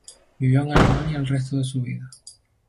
Vivió en Alemania el resto de su vida.